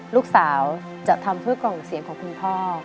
ลูกสาวจะทำเพื่อกล่องเสียงของคุณพ่อ